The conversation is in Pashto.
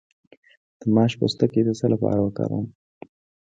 د ماش پوستکی د څه لپاره وکاروم؟